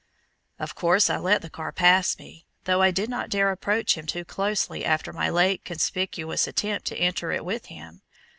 Of course I let the car pass me, though I did not dare approach him too closely after my late conspicuous attempt to enter it with him.